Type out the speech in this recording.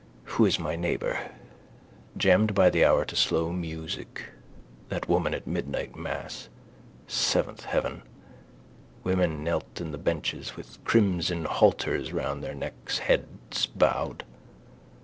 Who is my neighbour? Jammed by the hour to slow music. That woman at midnight mass. Seventh heaven. Women knelt in the benches with crimson halters round their necks, heads bowed.